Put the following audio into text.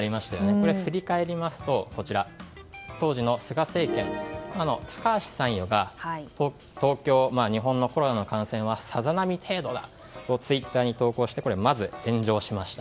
振り返りますと、当時の菅政権高橋参与が日本のコロナの感染はさざ波程度だとツイッターに投稿してまず炎上しました。